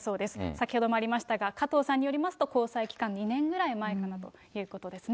先ほどもありましたが、加藤さんによりますと、交際期間２年ぐらい前からということですね。